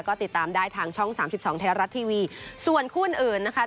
ก็ติดตามได้ทางช่อง๓๒แท้รัฐทีวีส่วนคู่อื่นนะคะ